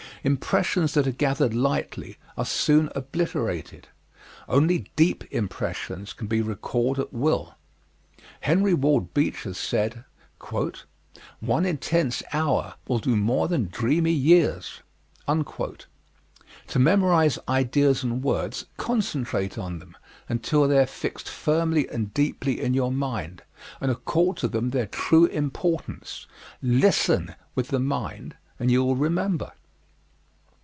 Impressions that are gathered lightly are soon obliterated. Only deep impressions can be recalled at will. Henry Ward Beecher said: "One intense hour will do more than dreamy years." To memorize ideas and words, concentrate on them until they are fixed firmly and deeply in your mind and accord to them their true importance. LISTEN with the mind and you will remember.